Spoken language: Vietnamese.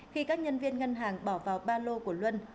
khi các nhân viên ngân hàng bỏ vào ba lô của luân